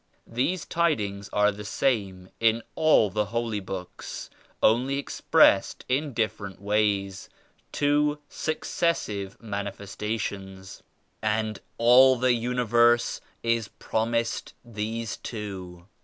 These tidings are the same in all the Holy Books; only expressed in different ways; — two successive Manifestations. And all the Universe is promised these two.